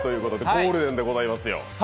ゴールデンでございますよ。